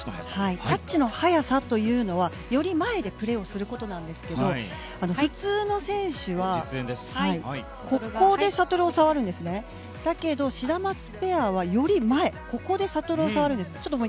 タッチの早さというのはより前でプレーをすることですが普通の選手は手前でシャトルを触りますがだけど、シダマツペアはより前でシャトルを触るんです。